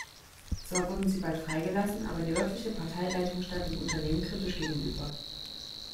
Zwar wurden sie bald freigelassen, aber die örtliche Parteileitung stand dem Unternehmen kritisch gegenüber.